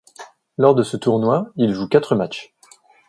Lors de ce tournoi, il joue quatre matchs.